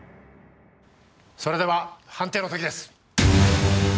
それでは判定の刻です。